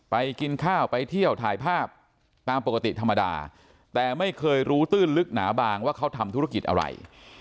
กินข้าวไปเที่ยวถ่ายภาพตามปกติธรรมดาแต่ไม่เคยรู้ตื้นลึกหนาบางว่าเขาทำธุรกิจอะไร